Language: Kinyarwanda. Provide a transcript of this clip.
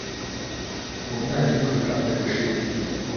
uwo mwana yitwaga mebosheti